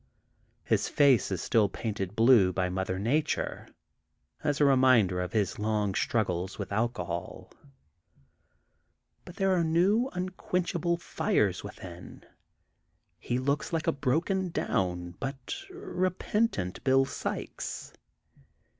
His face is still painted blue by mother nature, as a reminder of his long struggles with alcohol. But there are new unquench able fires within. He looks like a broken down but repentant Bill Sykes.